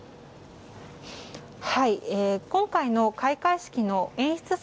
今回の開会式の演出